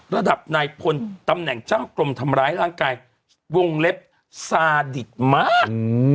ระดับนายพลตำแหน่งช่างกลมทำร้ายร่างกายวงเล็บซาดิตมาก